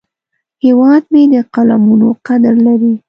هیواد مې د قلمونو قدر لري